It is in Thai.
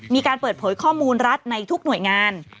มีการเปิดเผยข้อมูลรัฐในทุกหน่วยงาน